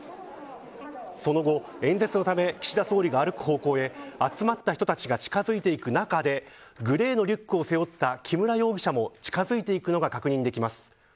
その後、演説のため岸田総理が歩く方向へ集まった人たちが近づいていく中でグレーのリュックを背負った木村容疑者も近づいていくのが確認できます。